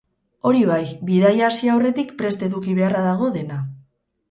Hori bai, bidaia hasi aurretik prest eduki beharra dago dena.